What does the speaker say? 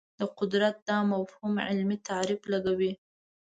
د قدرت دا مفهوم علمي تعریف لګوي